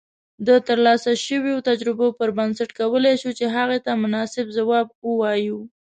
د ترلاسه شويو تجربو پر بنسټ کولای شو چې هغې ته مناسب جواب اوایو